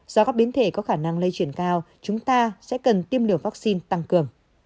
do các biến thể có khả năng lây chuyển cao chúng ta sẽ cần tiêm liều vaccine tăng cường